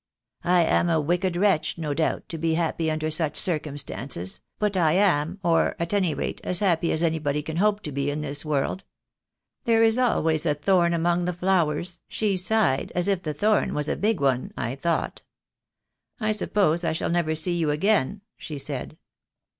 I am a wicked wretch, no doubt, to be happy under such cir cumstances, but I am, or, at any rate, as happy as any THE DAY WILL COME. 201 body can hope to be in this world. There is always a thorn among the flowers,' she sighed, as if the thorn was a big one, I thought. 'I suppose I shall never see you again,' she said.